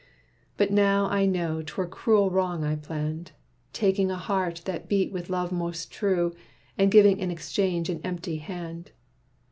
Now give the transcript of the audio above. But now I know 'twere cruel wrong I planned; Taking a heart that beat with love most true, And giving in exchange an empty hand.